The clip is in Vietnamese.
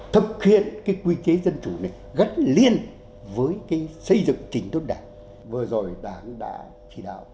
thực hiện cái quy chế dân chủ này gắn liên với cái xây dựng trình tốt đảng vừa rồi đảng đã chỉ đạo